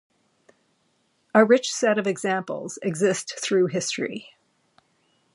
A rich set of examples exist through history.